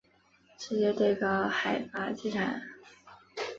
世界最高海拔机场列表列出世界上海拔高度在及以上的商业机场。